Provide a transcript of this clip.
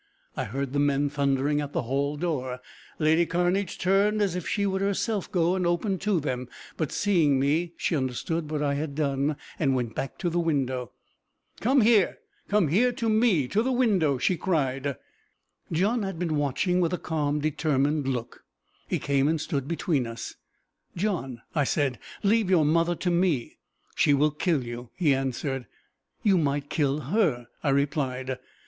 I heard the men thundering at the hall door. Lady Cairnedge turned as if she would herself go and open to them, but seeing me, she understood what I had done, and went back to the window. "Come here! Come to me here to the window!" she cried. John had been watching with a calm, determined look. He came and stood between us. "John," I said, "leave your mother to me." "She will kill you!" he answered. "You might kill her!" I replied.